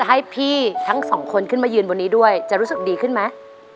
ให้พี่ทั้งสองคนขึ้นมายืนบนนี้ด้วยจะรู้สึกดีขึ้นไหม